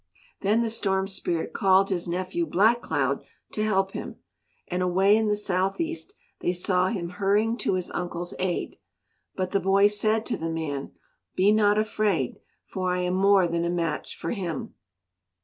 Then the Storm Spirit called his nephew Black Cloud to help him, and away in the south east they saw him hurrying to his uncle's aid. But the boy said to the man, "Be not afraid, for I am more than a match for him."